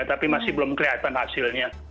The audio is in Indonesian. tapi masih belum kelihatan hasilnya